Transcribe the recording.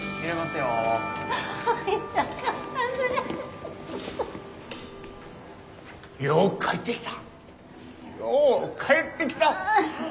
よう帰ってきた！